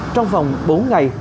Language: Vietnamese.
trong vòng bốn ngày